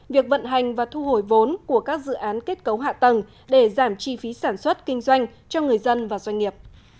việc vận hành và thu hồi vốn của các dự án kết cấu hạ tầng để giảm chi phí sản xuất kinh doanh cho người dân và doanh nghiệp